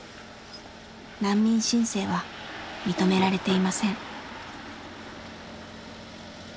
難民申請は認められていません。